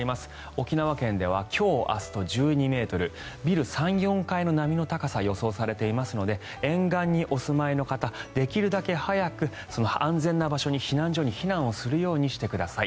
沖縄県では今日明日と１２ｍビル３４階の波の高さが予想されていますので沿岸にお住まいの方できるだけ早く安全な場所、避難所に避難するようにしてください。